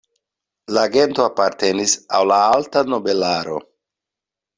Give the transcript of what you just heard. La gento apartenis al la alta nobelaro.